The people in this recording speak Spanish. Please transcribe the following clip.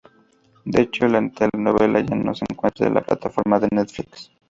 De hecho la telenovela ya no se encuentra en la plataforma de Netflix.